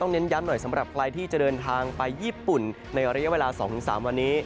เน้นย้ำหน่อยสำหรับใครที่จะเดินทางไปญี่ปุ่นในระยะเวลา๒๓วันนี้